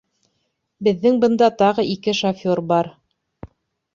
Беҙҙең бында тағы ике шофер бар.